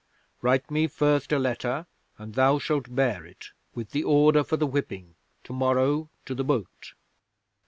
Write me first a letter, and thou shalt bear it, with the order for the whipping, to morrow to the boat."